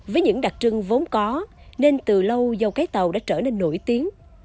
với những đặc trưng vốn có nên từ lâu dâu cái tàu đã trở nên nổi tiếng